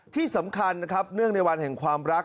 ที่สำคัญนะครับเนื่องในวันแห่งความรัก